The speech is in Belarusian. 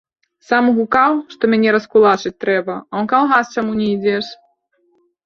Сам гукаў, што мяне раскулачыць трэба, а ў калгас чаму не ідзеш?